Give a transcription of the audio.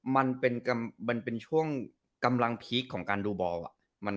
มันเป็นช่วงกำลังพีคของการดูบอล